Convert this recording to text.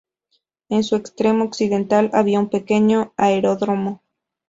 En su extremo occidental había un pequeño aeródromo.